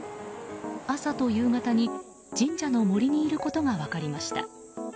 朝と夕方に神社の森にいることが分かりました。